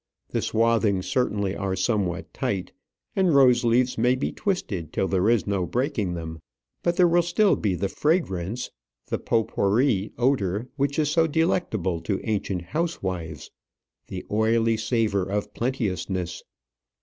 The swathings certainly are somewhat tight; and rose leaves may be twisted till there is no breaking them. But there will still remain the fragrance, the pot pourri odour which is so delectable to ancient housewives, the oily savour of plenteousness.